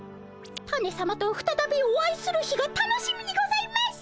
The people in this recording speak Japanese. タネさまとふたたびお会いする日が楽しみにございます。